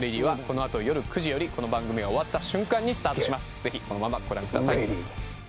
是非このままご覧ください